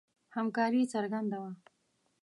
همکاري څرګنده وه.